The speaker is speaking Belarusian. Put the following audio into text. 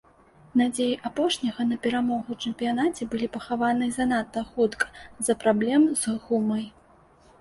Надзеі апошняга на перамогу ў чэмпіянаце былі пахаваныя занадта хутка з-за праблем з гумай.